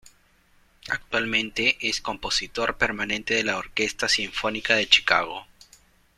Actualmente es compositor permanente de la Orquesta Sinfónica de Chicago.